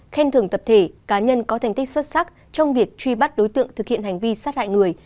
khen thưởng tập thể cá nhân có thành tích xuất sắc trong việc truy bắt đối tượng thực hiện hành vi sát hại người